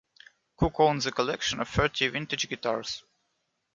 Cook owns a collection of thirty vintage guitars.